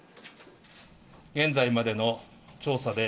現在までの調査で、